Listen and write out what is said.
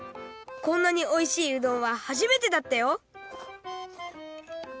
こんなにおいしいうどんははじめてだったよ！